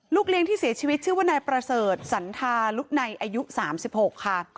เลี้ยงที่เสียชีวิตชื่อว่านายประเสริฐสันทารุไนอายุ๓๖ค่ะ